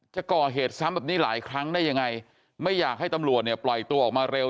จะก่อเหตุซ้ำแบบนี้หลายครั้งได้ยังไงไม่อยากให้ตำรวจเนี่ยปล่อยตัวออกมาเร็ว